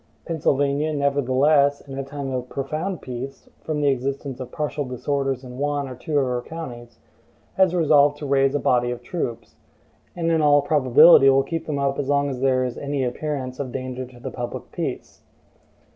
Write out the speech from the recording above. Pennsylvania, nevertheless, in a time of profound peace, from the existence of partial disorders in one or two of her counties, has resolved to raise a body of troops; and in all probability will keep them up as long as there is any appearance of danger to the public peace.